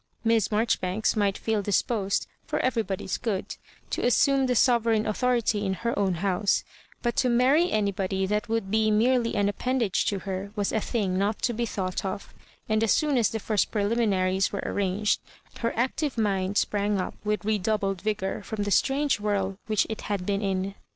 Miss Mar joribanks might feel disposed (for everybody's good) to assume the sovereign authority in her own house, but to marry anybody that would be merely an appendage to her was a thing not to be thought of; and as soon as the first pre liminaries were arranged her active mind sprang up with redoubled vigour from the strange whirl which it had been in.